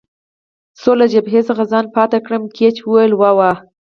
څو له جبهې څخه ځان پاتې کړم، ګېج وویل: وا وا.